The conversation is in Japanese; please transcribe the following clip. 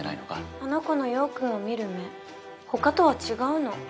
あの子の陽君を見る目ほかとは違うの。